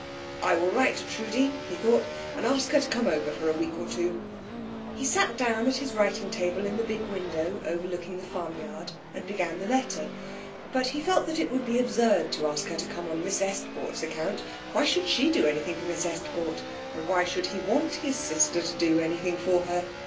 "I will write to Trudi," he thought, "and ask her to come over for a week or two." He sat down at his writing table in the big window overlooking the farmyard, and began the letter. But he felt that it would be absurd to ask her to come on Miss Estcourt's account. Why should she do anything for Miss Estcourt, and why should he want his sister to do anything for her?